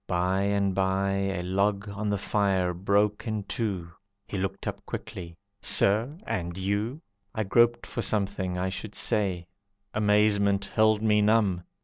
By and by A log on the fire broke in two. He looked up quickly, "Sir, and you?" I groped for something I should say; Amazement held me numb.